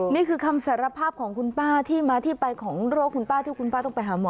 นี่คือคำสารภาพของคุณป้าที่มาที่ไปของโรคคุณป้าที่คุณป้าต้องไปหาหมอ